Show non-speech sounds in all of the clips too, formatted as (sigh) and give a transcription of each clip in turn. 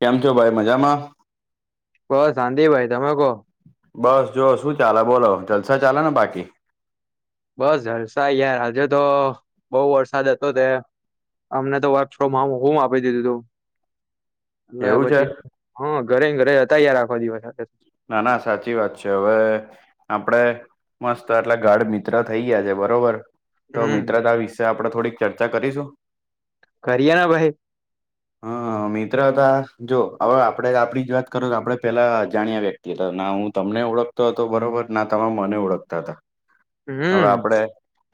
કેમ છો ભાઈ મજામાં? બસ શાંતિ ભાઈ તમે કહો બસ જોઓ શું ચાલે બોલો જલસા ચાલે ને બાકી? બસ જલસા યાર આજે તો બઉ વરસાદ હતો તે અમને તો વર્ક ફ્રોમ હોમ આપી દીધું તું એટલે એવું છે પછી હ ઘરે ને ઘરે હતા આખો દિવસ ના ના સાચી વાત છે હવે આપડે મસ્ત એટલે ગાઢ મિત્ર થઈ ગયા છે બરોબર તો હમ મિત્રતા વિશે આપણેે થોડીક ચર્ચા કરીશું કરીએ ના ભાઈ હ મિત્રતા જો હવે આપડે આપડી જ વાત કરો તો આપડે પેલા અજાણ્યા વ્યક્તિ હતા ના હું તમને ઓળખતો હતો બરોબર ના તમે મને ઓળખતા હતા. હવે હમ આપડે.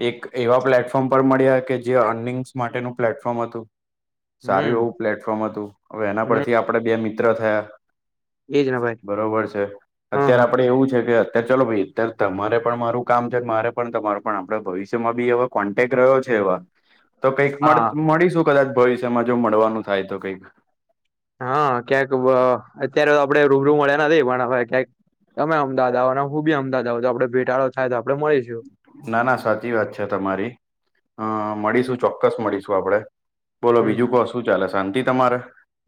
એક એવા પ્લેટફોર્મ પર મળ્યા કે જે એર્નિંગ્સ માટેનું પ્લેટફોર્મ હતું. સારું હમ એવું પ્લેટફોર્મ હતુ. હવે એના હમ પરથી આપડે બે મિત્ર થયા. એજ ને ભાઈ બરોબર છે. હા અત્યારે હા આપડે એવું છે કે તે ચાલો ભાઈ. અત્યારે તમારે પણ મારું કામ છે મારે પણ તમારુ પણ આપડે ભવિષ્યમાં બી એવા કોન્ટેક રહ્યો છે એવા તો કઈક હા મળ-મળીશું કદાચ ભવિષ્યમાં જો મળવાનું થાય તો કંઈક. હા ક્યાંક અહ અત્યારે આપડે રૂબરુ મળ્યા નથી પણ ક્યાંક તમે અમદાવાદ આવો અને હું બી અમદાવાદ આવુ તો આપડે ભેટાડો થાય તો આપડે મળીસુ. ના ના સાચી વાત છે તમારી અહ મળીશું ચોક્કસ મળીશું આપડે. બોલો બીજુ હમ કો શું ચાલે શાંતિ તમારે?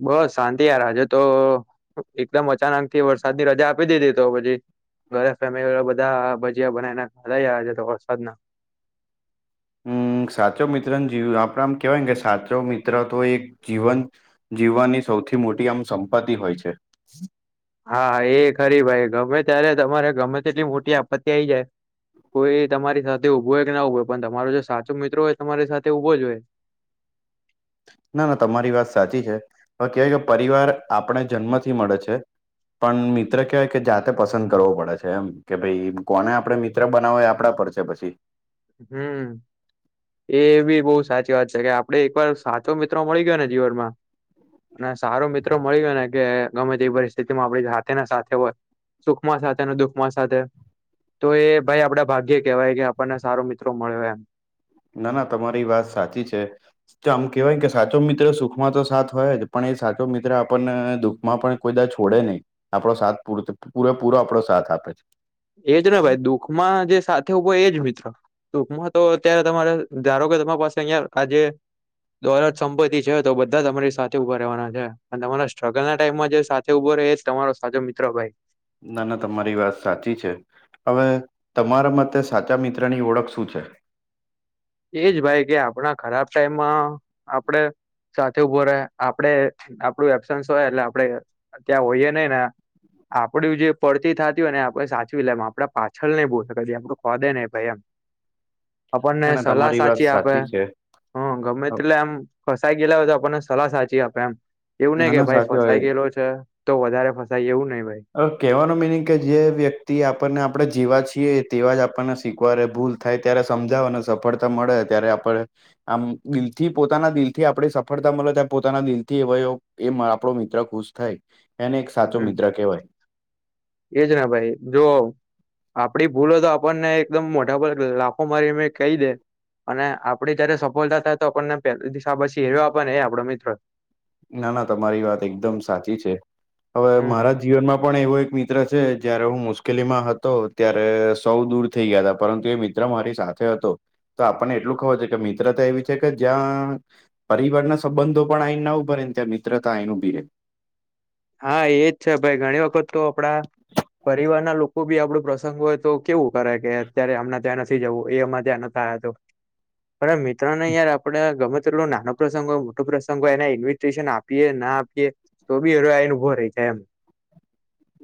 બસ શાંતિ યાર આજે તો એકદમ અચાનક થી વરસાદની રજા આપી દીધી તો પછી ઘરે ફેમિલી બધા ભજીયા બનાવીને ખાધયા તો વરસાદ ના. હમ્મ સાચો મિત્રને જીવ આપડે આમ કેવાય ને કે સાચો મિત્ર તો એક જીવન જીવવાની સૌથી મોટી આમ સંપત્તિ હોય છે. હા એ ખરી ભાઈ ગમે ત્યારે તમારે ગમે તેટલી મોટી આપત્તિ આઈ જાય કોઈ તમારી સાથે ઊભો હોય કે ના ઉભો પણ તમારો જે સાચો મિત્રો હોય તમારી સાથે ઊભો જ હોય. ના ના તમારી વાત સાચી છે હવે કહેવાય કે પરિવાર આપડે જન્મથી મળે છે. પણ મિત્ર કહેવાય કે જાતે પસંદ કરવો પડે છે એમ કે ભાઈ કોને આપડે મિત્ર બનાવાય આપડા પર છે પછી. હમ્મ. એ બી બહુ સાચી વાત છે કે આપડે એક વાર સાચો મિત્રો મળી ગયો ને જીવનમાં અને સારો મિત્રો મળી ગયો ને કે ગમે તેવી પરિસ્થિતિમાં આપડી સાથે ના સાથે હોય. સુખમાં સાથે અને દુખમાં સાથે તો એ ભાઈ આપડા ભાગ્યે કેવાય કે આપણને સારો મિત્રો મળ્યો એમ. ના ના તમારી વાત સાચી છે. તો આમ કેવાય કે સાચો મિત્ર સુખમાં તો સાથ હોય જ પણ એ સાચો મિત્ર આપણને દુખ માં પણ કોઈ દા છોડે નહી આપડો સાથ પૂ પૂરેપૂરો આપડો સાથ આપે છે. એજ ને ભાઈ દુઃખમાં જે સાથે ઉભો હોય એજ મિત્ર. ટૂંકમાં તો અત્યારે તમારે ધારો કે તમારી પાસે અહીંયા આજે દોલત સંપત્તિ છે તો બધા તમારી સાથે ઉભા રેવાના છે અને તમારા સ્ટ્રગલ ના ટાઈમમાં જે સાત તો ઉભો એજ તમારો સાચો મિત્ર ભાઈ. ના ના તમારી વાત સાચી છે. હવે તમારા મતે સાચા મિત્રની ઓળખ શું છે? એજ ભાઈ કે આપણા ખરાબ ટાઈમમાં આપડે સાથે ઉભો રહે આપડે આપડું એબસન્સ હોય એટલે આપડે ત્યાં હોઈય નહ ને આપડું જે પડતી થતી હોય ને આપડે સાચવી લે એમ આપડે પાછળ નહી બોલાય એમું ખદે નહી ભાઈ એમ. આપણને ના ના સલાહ તમારી વાત સાચી આપે. છે. હ ગમે તેટલે એમ ફસાઈ ગયેલા હોય તો આપણને સલાહ સાચી આપે એમ. એવું નહીં ના કે ના ભાઈ સાચી ગયેલો છે તો વધારે ફસાય એવું નહી ભાઈ. હવે કહેવાનો મિનિંગ કે જે વ્યક્તિ આપણને આપણે જેવા છીએ તેવા જ આપણને સ્વીકારે ભૂલ થાય ત્યારે સમજાવો ને સફળતા મળે ત્યારે આપડે આમ દિલથી પોતાના દિલ થી આપડે સફળતા મળે તો પોતાના દિલ થી એવા એ માડ આપડો મિત્ર ખુશ થાય એને એક સાચો હમ મિત્ર કહેવાય. એજ ને ભાઈ જો આપડી ભૂલો તો આપણને એકદમ મોઢા પર લાફો મારી મે કહી દે અને આપડી જયારે સફળતા થાય તો આપણને પેલી દિશા પછી હેરવા આપ ને એ આપડો મિત્રો. ના ના તમારી વાત એકદમ સાચી છે હવે હમ મારા જીવનમાં પણ એવો એક મિત્ર જયારે હું મુશ્કેલીમાં હતો ત્યારે સૌ દૂર થઈ ગયા હતા પરંતુ એ મિત્ર મારી સાથે હતો. તો આપણને એટલું ખવર છે કે મિત્રતા એવી છે કે જ્યાં પરિવારના સંબંધો પણ આઈને (unintelligible) મિત્રતા આવીને ઉભી રહે. હા એજ છે ભાઈ ઘણી વખત તો આપડા પરિવારના લોકો બી આપડો પ્રસંગ હોય તો કેવું કરે કે અત્યારે હમણાં ત્યાં નથી જવું એ અમારે ત્યાં ન (unintelligible) પણ આ મિત્રો ને યાર આપડે ગમે ટલો નાનો પ્રસંગ હોય મોટો પ્રસંગ હોય એને ઇન્વીિટેશન આપીએ ના આપીએ તો બી એ ઉભો રેય જાય એમ.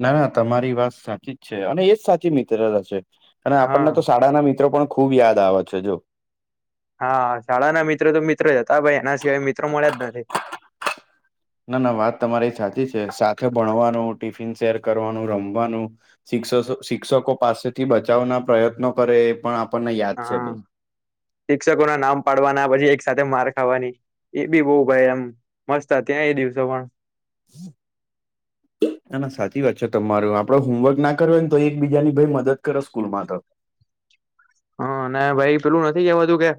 ના ના તમારી વાત સાચી જ છે અને એજ સાચી મિત્રતા છે અને આપણને હા તો શાળાના મિત્રો પણ ખુબ યાદ આવે છે જો. હા શાળાના મિત્રો તો મિત્રો જ હતા ભાઈ એના સિવાય મિત્રો મળ્યા જ નથી. ના ના વાત તમારી સાચી છે સાથે ભણવાનું ટિફિન શેર કરવાનું રમવાનું શિક્ષ શિક્ષકો પાસેથી બચાવના પ્રયત્નો કરે એ પણ આપણને યાદ છે ભાઈ. શિક્ષકોના નામ પાડવાના પછી એક સાથે માર ખાવાની. એબી બઉ ભાઈ મસ્ત હતી ને એ દિવસો પણ. ના ના સાચી વાત છે તમારી આપડે હોમવર્ક ના કર્યો હોય ને તો એકબીજાની ભાઈ મદદ કરો સ્કૂલમાં તો. હા અને ભાઈ પેલું નથી કેવાતું કે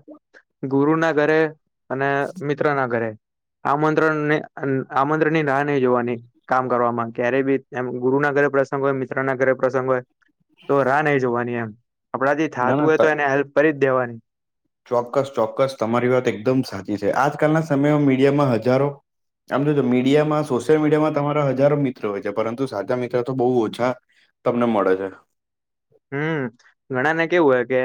ગુરુ ના ઘરે અને મિત્ર ના ઘરે આમંત્રણને આમંત્રણ ની ના નહી રેવાની. કામ કરવામાં ક્યારેય બી એમ ગુરુ ના ઘરે પ્રસંગ હોય મિત્ર ના ઘરે પ્રસંગ હોય તો રાહ નહી જોવાની એમ આપણા થી ના થાતું ના હોય ત તો એને હેલ્પ કરી જ દેવાની. ચોક્કસ ચોક્કસ તમારી વાત એકદમ સાચી છે આજકાલના સમયમાં મીડિયામાં હજારો આમ જો તો મીડિયામાં સોશિયલ મીડિયામાં તમારા હજારો મિત્રો હોય છે પરંતુ સાચા મિત્ર તો બહુ ઓછા તમને મળે છે. હમ ઘણા ને કેવું હોય કે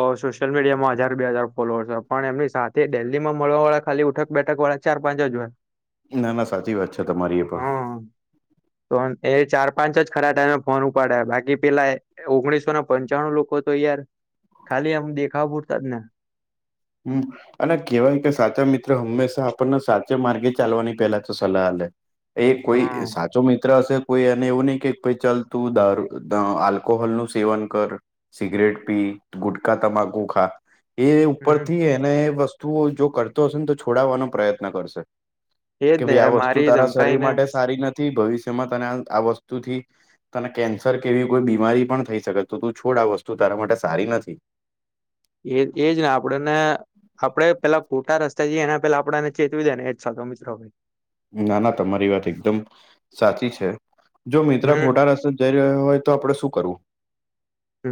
ઓ સોશિયલ મીડિયા માં હજાર બે હજાર ફોલોઅર્સ છે પણ એમની સાથે ડેઇલીમાં મળવાળા ખાલી ઉઠક બેઠક વાળા ચાર પાંચ જ હોય. ના ના સાચી વાત છે તમારી એ પણ. હા તો એ ચાર પાંચ ખરા ટાઈમે ફોન ઉપાડે બાકી પેલા ઓગણીસો ને પંચાણું લોકો તો યાર ખાલી આમ દેખાવ પૂરતા જ ને. હમ. અને કેહેવાય કે સાચા મિત્ર હંમેશા આપણને સાચા માર્ગે ચાલવાની પેલા તો સલાહ આલે. એ હા કોઈ સાચો મિ ત્ર હશે કોઈ એને એવું નહીં કે ભાઈ ચાલ તું દાર આલ્કોહોલ નું સેવન કર સિગરેટ પી ગુટખા તમાકુ ખા એ હમ ઉપરથી એને વસ્તુઓ જો કરતો હશે તો છોડાવવાનો પ્રયત્ન કરશે. એજ કે ને ભાઈ યાર આ વસ્તુ મારી તારા ધમકાઈ શરીર ને માટે સારી નથી ભવિષ્યમાં તને આ વસ્તુથી તને કેન્સર કેવી કોઈ બીમારી પણ થઈ શકે તો તું છોડ આ વસ્તુ તારા માટે સારી નથી. એ એજ ને આપડને આપડે પેલા ખોટા રસ થયએ એના પેલા આપણા ને ચેતવી દે ને એ જ સાચો મિત્ર ના ના તમારી વાત એકદમ સાચી છે જો મિત્ર હમ ખોટા રસ જઈ રહ્યો હોય તો આપણે શું કરવું.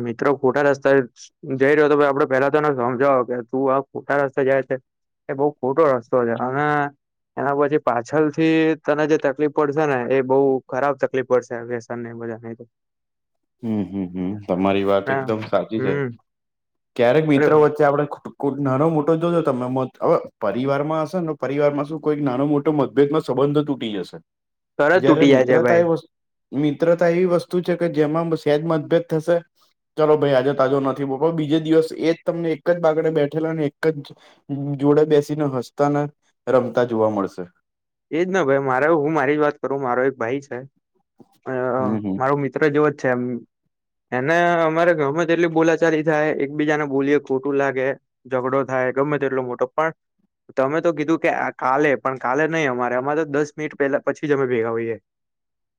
મિત્રો ખોટા રસ્તે જઈ રહ્યો તો આપડે પેલા તોને સમજાવો કે તું આ ખોટા રસ્તે જાય છે. એ બહુ ખોટો રસ્તો છે અને એના પછી પાછળ થી તને જે તકલીફ પડશે ને એ બહુ ખરાબ તકલીફ પડશે. તને બધા ને. હમ- હમ- હમ તમારી વાત હા એકદમ સાચી છે. હમ ક્યારેક અરે મિત્રો વચ્ચે આપડે કોક નાનો મોટો જો-જો તમે મત, હવે પરિવારમાં હશે ને પરિવારમાં શું કોઈક નાનો મોટો મતભેદ સંબંધ તૂટી જશે. તરત જયારે તૂટી જાય છે મિત્રતા ભાઈ એ વસ્ મિત્રતા એવી વસ્તુ છે કે જેમાં સેજ મતભેદ થશે. ચાલો ભઈ આજે તાજો નથી બો (unintelligible) બીજે દિવસ એજ તમને એક જ બાગડે બેઠેલા ને એક જ જોડે બેસી ને હસતા ને રમતા જોવા મળશે. એજ ના ભાઈ મારે હું મારી જ વાત કરું મારો એક ભાઈ છે અ હમ હમ મારો મિત્ર જેવો જ છે એમ. એને અમારે ઘરમાં એટલી બોલાચાલી થાય એકબીજા ને બોલીએ ખોટું લાગે. ઝઘડો થાય ગમે તેટલો મોટો પણ તમે તો કીધું કે આ કાલે પણ કાલે નહીં, અમારે અમાર તો દસ મિનિટ પેલા પછી જ અમે ભેગા હોઈએ.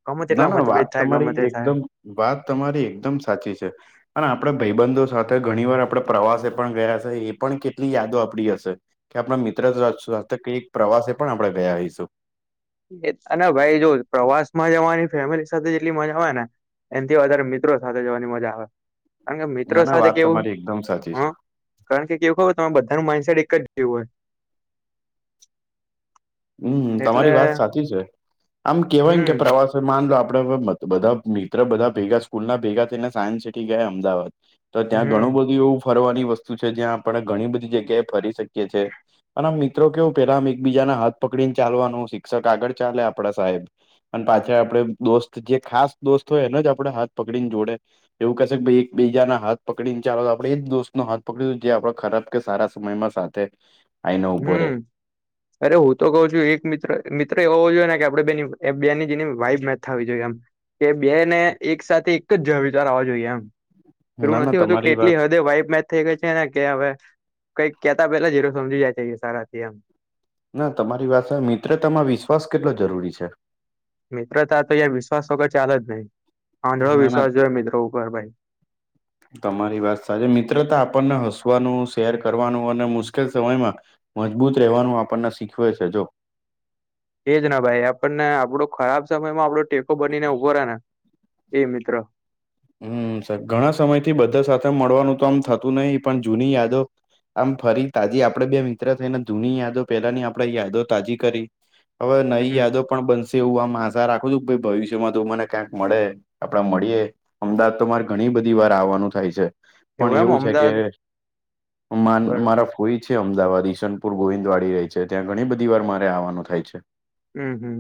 ગમે તેટલા ના-ના વાત મતભેદ થાય ગમે તમારી તે થાય એકદમ વાત તમારી એકદમ સાચી છે. અને આપણે ભાઈબંધો સાથે ઘણી વાર આપણે પ્રવાસે પણ ગયા હસે. એ પણ કેટલી યાદો આપડી હશે. કે આપણા મિત્ર સાથે કે એક પ્રવાસે પણ આપણે ગયા હઈશું. અને ભઈ જો, પ્રવાસમાં જવાની ફેમિલી જેટલી મજા આવે ને એનથી વધારે મિત્રો સાથે જવાની મજા આવે. કારણ કે ના મિત્રો ના સાથે વાત કેવું તમારી એકદમ સાચી છે હ કારણ કે કેવું ખબર તમારે બધાનું માઇન્ડસેટ એક જ જેવું હોય. હમ, એટલે તમારી વાત સાચી છે. આમ કેવાય કે હમ પ્રવાસ માન લો આપડે બધા મિત્ર બધા ભેગા સ્કૂલ ના ભેગા થઈને સાયન્સ સિટી ગયા અમદાવાદ. તો ત્યાં ઘણું હમ બધું એવું ફરવાની વસ્તુ છે. જ્યાં આપણે ઘણી બધી જગ્યાએ ફરી શકીએ. છે. અને આમ મિત્રો કેવું પેલા આમ એકબીજાના હાથ પકડી ને ચાલવાનું. શિક્ષક આગળ ચાલે આપડા સાહેબ. અને પાછળ આપડે દોસ્ત જે ખાસ દોસ્ત હોય એને જ આપડે હાથ પકડી ને જોડે. એવું કહેશે ભઇ એક બીજાના હાથ પકડી ન ચાલો તો આપડે એ જ દોસ્ત નો હાથ પકડીયુ કે જે આપડા ખરાબ કે સારા સમયમાં સાથ. તે. હમ. અરે હું તો કઉ છું એક મિત્ર-મિત્ર એવો હોવો જોઈએ ને કે આપણે બેની-બેની જેની વાઈબ મેચ થવી જોઈએ એમ. કે બે ને એક સાથે એક જ વિચાર આવવા જોઈએ એમ. (unintelligible) ના એવું ના નથી હોતું તમારી વાત કેટલી હદે વાઇબ મેચ. થઈ ગઈ છે ને કે હવે કંઈક કેતા પેલા જ એતો સમજી જાય છે સારા હતી એમ. ના તમારી (unintelligible) મિત્રતામાં વિશ્વાસ કેટલો જરૂરી છે. મિત્રતા તો અહીયા વિશ્વાસ વગર ચાલે જ નહી. આંધળો ના ના વિશ્વાસ જોઇયે મિત્રો ઉપર ભાઈ. તમારી વાત સાચી. મિત્રતા આપણને હસવાનું, શેર કરવાનું અને મુશ્કેલ સમયમાં મજબૂત રહેવાનું આપણને શીખવે છે જો. એજ ના ભાઈ, આપણને આપડો ખરાબ સમયમાં આપડો ટેકો બનીને ઉભો રહે ને એ મિત્ર. હમ, સર ઘણા સમય થી બધા સાથે મળવાનું તો આમ થતું નહી પણ જૂની યાદો. આમ ફરી તાજી આપડે બે મિત્ર થઈને ધૂની યાદો પેલાની આપણેે યાદો તાજી કરી. હવે નઈ હમ યાદો પણ બનશે. એવું આમ આશા રાખું છું ભઈ ભવિષ્યમાં તુ મને ક્યાંક મળે આપડે મળીએે. અમદાવાદ તો મારે ઘણી બધી વાર આવવાનું થાય છે. પણ એમ એવું છે કે અમદાવાદ મન બરોબર મારા કોઈ છે અમદાવાદ ઈસનપુર ગોવિંદવાડી રેય છે. ત્યાં ઘણી બધી વાર મારે આવવાનું થાય છે. હમ હમ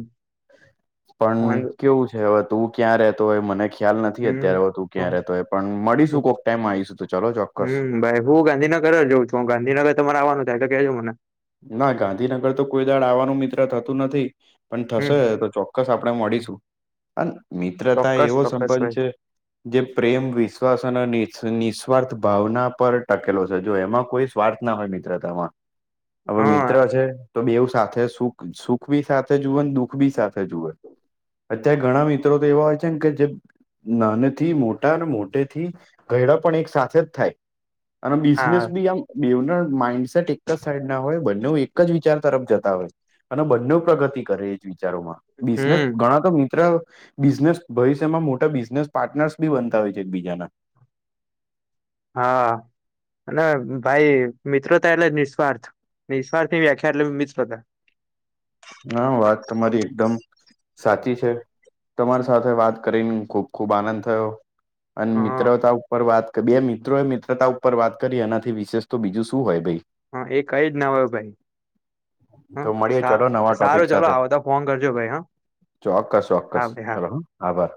પણ વાંધો કેવું છે હવે તું ક્યાં રેતો હોય મને ખ્યા ખ્યાલ નથી હમ ત્યારે તુ ક્યાં રેતો હોય પણ મળીશું કોક ટાઈમ આઈશ તો ચાલો તો ચોક્કસ. તો ગાંધીનગર તમારે આવવાનું થાય તો કેજો મને. ના ગાંધીનગર તો કોઈ દાળા આવવાનું મિત્ર થતું નથી પણ થશે હમ તો ચો ક્કસ આપણે મળીશું અને મિત્રતા એ ચોક્કસ એવો ચોક્કસ સંબંધ ભાઈ છે. જે પ્રેમ વિશ્વાસ અને નિસ્વાર્થ ભાવના પર ટકેલો છે જો એમાં કોઈ સ્વાર્થ ના હોય મિત્રતામાં હવે મિત્ર હા છે. તો બેવું સાથે સુખ સુખ બી સાથે જુવે ને દુખ બી સાથે જુએ. અત્યારે ઘણા મિત્રો તો એવા હોય છે ને કે જે નાને થી મોટા અને મોટે થી ગયડા પણ એક સાથે જ થાય અને બિઝનેસ હા બી આમ બેવના માઇન્ડસેટ એક જ સાઈડ ના હોય બંને એક જ વિચાર તરફ જતા હોય. અને બંને પ્રગતિ કરે વિચારોમાં બિઝનેસ હમ ઘણા તો મિત્ર બિઝનેસ ભવિષ્યમાં મોટા બિઝનેસ પાર્ટનર્સ બી બનતા હોય છે એક બીજાના આ અને ભાઈ મિત્રોતા એટલે નિઃસ્વાર્થ નિઃસ્વાર્થની વ્યાખ્યા એટલે મિત્રોતા ના વાત તમારી એકદમ સાચી છે તમારી સાથે વાત કરીને ખૂબ ખૂબ આનંદ થયો. અને હા મિત્રતા ઉપર વાત કે બે મિત્રો એ મિત્રતા ઉપર વાત કરી એનાથી વિશેષ તો બીજું શું હોય ભઈ. હા એ કઈ ના જ હોય ભઈ હ તો મળીએ હા ચલો નવા ટોપિક સારું ચલો સાથે આવતા ફોન કરજો ભઈ હ ચોક્કસ ચોક્કસ હા ભાઈ હા. ચલો હ આભાર.